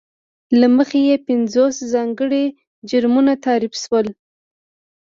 له مخې یې پینځوس ځانګړي جرمونه تعریف شول.